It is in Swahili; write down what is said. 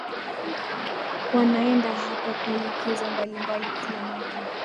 Wanaenda hapa kwa likizo mbalimbali kila mwaka